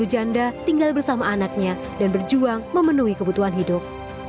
satu ratus dua puluh janda tinggal bersama anaknya dan berjuang memenuhi kebutuhan hidup